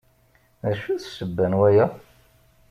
D acu d ssebba n waya?